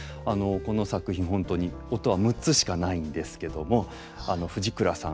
この作品本当に音は６つしかないんですけども藤倉さん